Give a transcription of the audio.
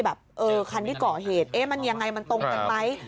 คันที่ก่อเหตุเอ๊ะมันยังไงมันตรงกันไหม